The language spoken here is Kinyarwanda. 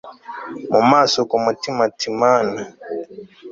mumaso kumutima ati mana